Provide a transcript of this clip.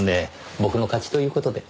僕の勝ちという事で。